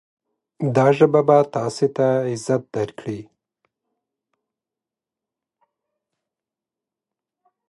دا ژبه به تاسې ته عزت درکړي.